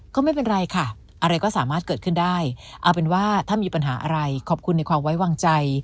ก็ไม่เป็นไรค่ะอะไรก็สามารถเกิดขึ้นได้เอาเป็นว่าถ้ามีปัญหาอะไรขอบคุณในความไว้วางใจ